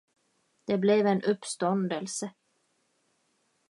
Det blev en uppståndelse.